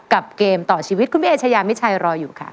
เกมต่อชีวิตคุณพี่เอชายามิชัยรออยู่ค่ะ